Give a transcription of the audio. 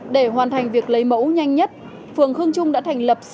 để hoàn thành việc lấy mẫu nhanh nhất